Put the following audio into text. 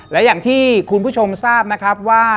และอย่างที่คุณผู้ชมทราบนะครับว่า